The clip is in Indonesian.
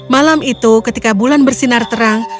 malam itu ketika bulan bersinar terang